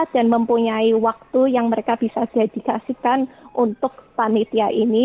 dan mempunyai waktu yang mereka bisa dedikasikan untuk panitia ini